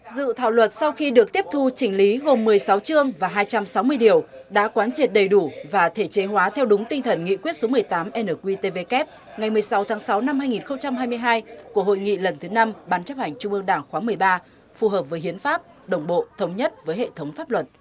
dự thảo luật sau khi được tiếp thu chỉnh lý gồm một mươi sáu chương và hai trăm sáu mươi điều đã quán triệt đầy đủ và thể chế hóa theo đúng tinh thần nghị quyết số một mươi tám nqtvk ngày một mươi sáu tháng sáu năm hai nghìn hai mươi hai của hội nghị lần thứ năm ban chấp hành trung ương đảng khóa một mươi ba phù hợp với hiến pháp đồng bộ thống nhất với hệ thống pháp luật